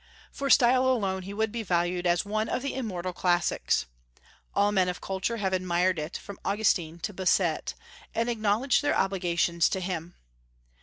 For style alone he would be valued as one of the immortal classics. All men of culture have admired it, from Augustine to Bossuet, and acknowledged their obligations to him.